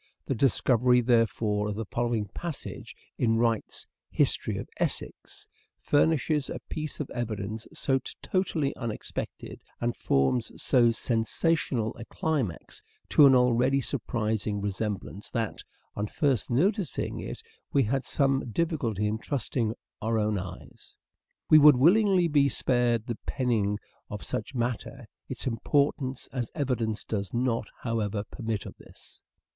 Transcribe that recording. The discovery, therefore, of the following passage in Wright's " History of Essex " furnishes a piece of evidence so totally un expected, and forms so sensational a climax to an already surprising resemblance that, on first noticing it, we had some difficulty in trusting our own eyes. We would willingly be spared the penning of such matter : its importance as evidence does not, however, permit of this.